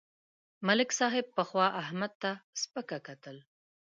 ملک صاحب پخوا احمد ته سپکه کتل.